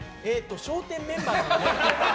「笑点」メンバーなので。